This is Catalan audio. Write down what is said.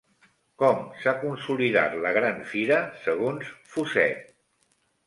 Com s'ha consolidat la Gran Fira segons Fuset?